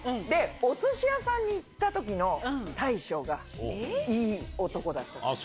おすし屋さんに行ったときの大将が、いい男だったんです。